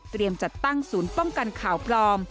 เตรียมจัดตั้งศูนย์ป้องกันข่าวพลอม